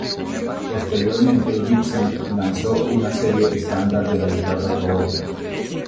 Posteriormente Gibson lanzó una serie estándar de la guitarra robótica.